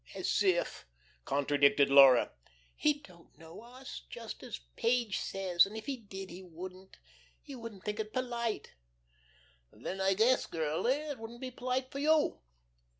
"Oh, as if!" contradicted Laura. "He don't know us, just as Page says. And if he did, he wouldn't. He wouldn't think it polite." "Then I guess, girlie, it wouldn't be polite for you."